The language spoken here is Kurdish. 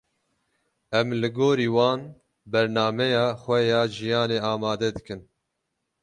Em li gorî wan, bernameya xwe ya jiyanê amade dikin.